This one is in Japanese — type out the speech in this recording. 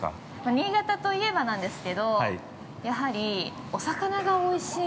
◆新潟といえばなんですけど、やはりお魚がおいしい。